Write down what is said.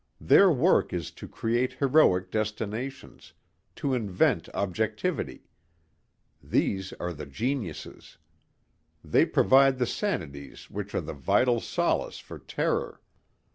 Their work is to create heroic destinations, to invent objectivity. These are the geniuses. They provide the sanities which are the vital solace for terror.